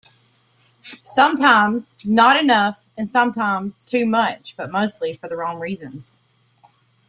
Sometimes not enough and sometimes too much but mostly for the wrong reasons.